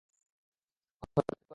খোদা, কী করছেন এসব?